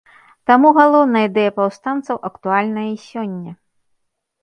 Таму галоўная ідэя паўстанцаў актуальная і сёння.